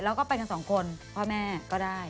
แล้วก็ไปกันสองคนพ่อแม่ก็ได้